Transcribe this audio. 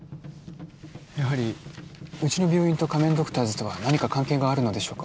やはりうちの病院と仮面ドクターズとは何か関係があるのでしょうか？